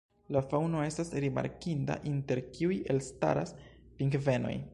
La faŭno estas rimarkinda, inter kiuj elstaras pingvenoj.